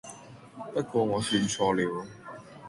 不過我算錯了